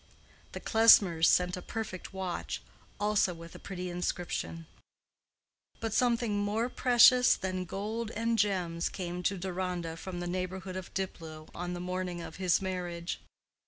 _" The Klesmers sent a perfect watch, also with a pretty inscription. But something more precious than gold and gems came to Deronda from the neighborhood of Diplow on the morning of his marriage.